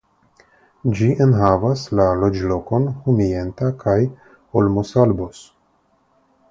Ĝi enhavas la loĝlokojn Humienta kaj Olmosalbos.